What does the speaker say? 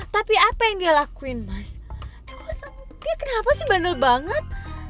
tapi apa yang dia lakuin mas dia kenapa sih bandel banget